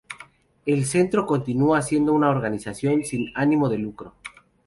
El centro continúa siendo una organización sin ánimo de lucro.